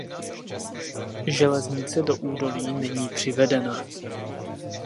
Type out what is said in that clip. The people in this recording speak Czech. Železnice do údolí není přivedena.